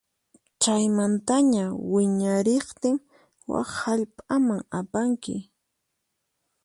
Chaymantaña wiñariqtin wak hallp'aman apanki.